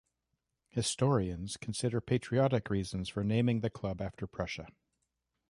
Historians consider patriotic reasons for naming the club after Prussia.